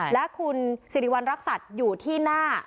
และคุณสิริวัณรักษัตริย์อยู่ที่หน้า